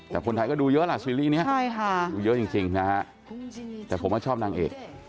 แต่คนไทยก็ดูเยอะล่ะซีรีส์เนี้ยใช่ค่ะดูเยอะจริงแต่ผมก็ชอบนางเอก